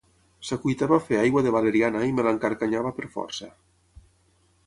S'acuitava a fer aigua de valeriana i me l'encarcanyava per força.